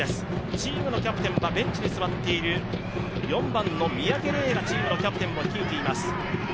チームのキャプテンはベンチに座っている４番の三宅怜がチームを率いています。